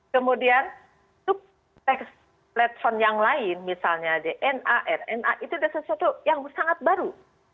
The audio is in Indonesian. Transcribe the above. kemudian platform yang lain misalnya dna rna itu adalah sesuatu yang sangat baru